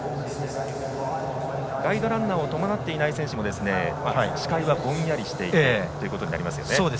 ガイドランナーを伴っていない選手も視界はぼんやりしているということになりますね。